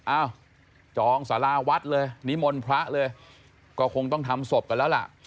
อ้าวจองสาราวัดเลยนิมนต์พระเลยก็คงต้องทำศพกันแล้วล่ะ